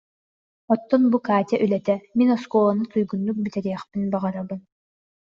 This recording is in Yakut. Оттон бу Катя үлэтэ: «Мин оскуоланы туйгуннук бүтэриэхпин баҕарабын